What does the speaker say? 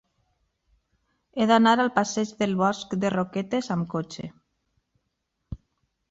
He d'anar al passeig del Bosc de Roquetes amb cotxe.